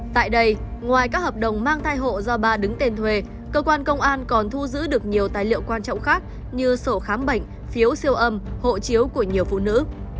tại đây ngoài các hợp đồng mang thai hộ do bà đứng tên thuê cơ quan công an còn thu giữ được nhiều tài liệu quan trọng khác như sổ khám bệnh phiếu siêu âm hộ chiếu của nhiều phụ nữ